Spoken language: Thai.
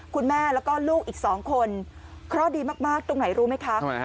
ข้อดีตรงไหนรู้ไหมคะ